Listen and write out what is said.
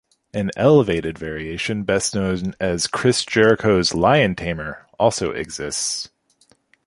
An elevated variation, best known as Chris Jericho's "Liontamer", also exists.